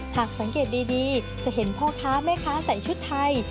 หากสังเกตดีจะเห็นพ่อค้าแม่ค้าใส่ชุดไทย